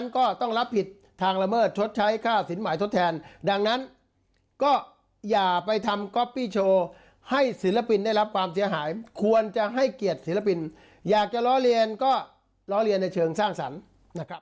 ก็อย่าไปทำก๊อปปี้โชว์ให้ศิลปินได้รับความเสียหายควรจะให้เกลียดศิลปินอยากจะร้องเรียนก็ร้องเรียนในเชิงสร้างสรรค์นะครับ